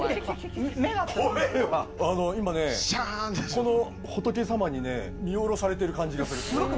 この仏様に見下ろされてる感じがする。